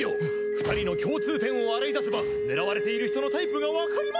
２人の共通点を洗い出せば狙われている人のタイプがわかります！